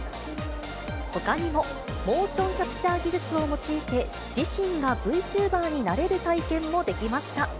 ほかにも、モーションキャプチャー技術を用いて、自身がＶチューバーになれる体験もできました。